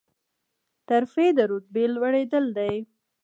ترفیع د رتبې لوړیدل دي